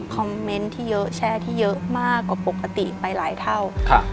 คอมเม้นท์แชร์ที่เยอะมากกว่าปกติไปหลายเท่า